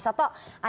mas datta masat